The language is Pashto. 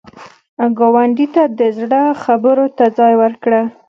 ګاونډي ته د زړه خبرو ته ځای ورکړه